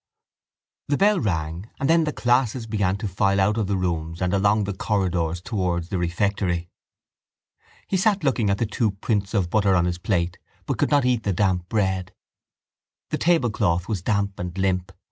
The bell rang and then the classes began to file out of the rooms and along the corridors towards the refectory. He sat looking at the two prints of butter on his plate but could not eat the damp bread. The tablecloth was damp and limp.